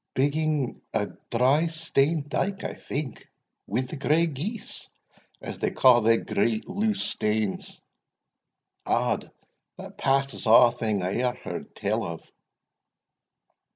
"Biggin a dry stane dyke, I think, wi' the grey geese, as they ca' thae great loose stanes Odd, that passes a' thing I e'er heard tell of!"